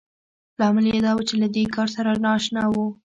لامل يې دا و چې له دې کار سره نااشنا وو.